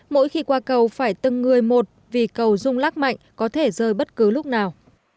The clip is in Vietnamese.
mỗi khi qua cầu phải tưng người một vì cầu rung lắc mạnh có thể rơi bất cứ lúc nào